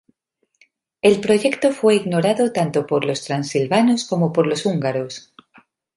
El proyecto fue ignorado tanto por los transilvanos como por los húngaros.